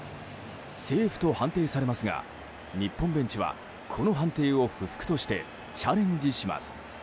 セーフと判定されますが日本ベンチは、この判定を不服としてチャレンジします。